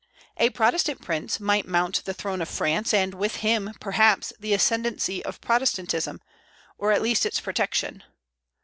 A Protestant prince might mount the throne of France, and with him, perhaps, the ascendency of Protestantism, or at least its protection.